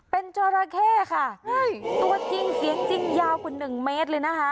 เป็นจราเข้ค่ะตัวจริงเสียงจริงยาวกว่าหนึ่งเมตรเลยนะคะ